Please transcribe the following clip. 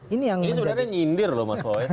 ini sebenarnya nyindir loh mas way